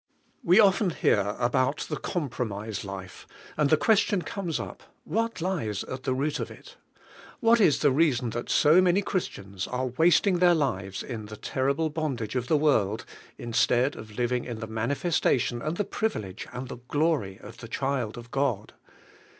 We often hear about the compromise life and the question comes up What lies at the root of it? What is the reason that so many Christians are wasting their lives in the terrible bondage of the world instead of living in the manifestation and the privilege and the glory of the child of God?